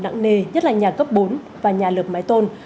nặng nề nhất là nhà cấp bốn và nhà lợp mái tôn